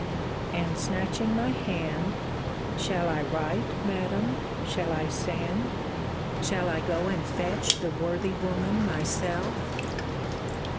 And snatching my hand, Shall I write, Madam? Shall I send? Shall I go and fetch the worthy woman myself?